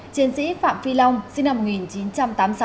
chiến sĩ phạm phi long sinh năm một nghìn chín trăm tám mươi sáu